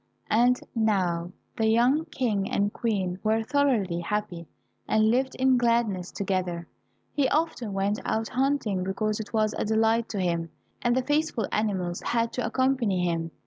And now the young King and Queen were thoroughly happy, and lived in gladness together. He often went out hunting because it was a delight to him, and the faithful animals had to accompany him.